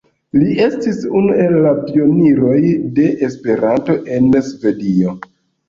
Li estis unu el la pioniroj de Esperanto en Svedio.